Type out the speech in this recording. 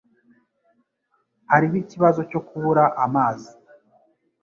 Hariho ikibazo cyo kubura amazi.